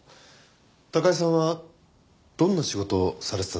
高井さんはどんな仕事をされてたんですか？